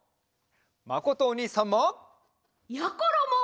まことおにいさんも！やころも！